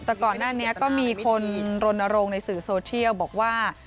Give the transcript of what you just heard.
แต่ก่อนหน้านี้ก็มีคนรณรงค์ในสื่อโซเทียลบอกว่า